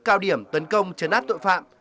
cao điểm tấn công chấn áp tội phạm